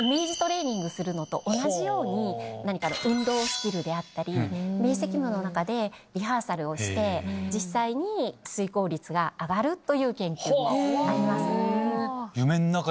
するのと同じように何かの運動スキルであったり明晰夢の中でリハーサルをして実際に遂行率が上がるという研究もあります。